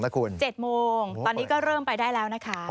คุณ๗โมงตอนนี้ก็เริ่มไปได้แล้วนะคะ